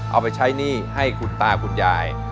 เอาไปใช้หนี้ให้คุณตาคุณยาย